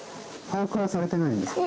把握はされてないんですか？